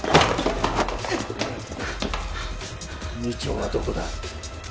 二丁はどこだ？